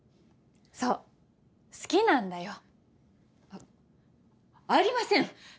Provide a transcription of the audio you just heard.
そう好きなんだよあありません